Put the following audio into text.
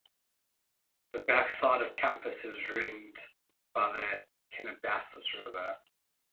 The back side of campus is ringed by the Kennebecasis River.